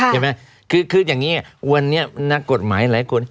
ใช่ไหมคืออย่างนี้วันนี้นักกฎหมายหลายคน